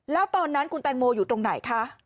แล้วตอนนั้นคุณแตงโมอยู่ตรงไหนคะ